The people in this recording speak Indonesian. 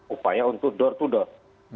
upaya untuk door to door